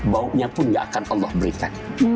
baunya pun gak akan allah berikan